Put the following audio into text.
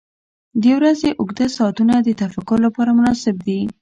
• د ورځې اوږده ساعتونه د تفکر لپاره مناسب دي.